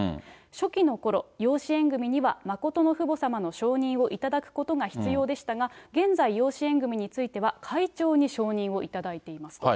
初期のころ、養子縁組には真の父母様の承認を頂くことが必要でしたが、現在、養子縁組については会長に承認を頂いていますと。